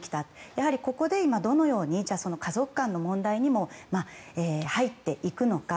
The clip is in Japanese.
やはり、ここで今どのように家族間の問題にも入っていくのか。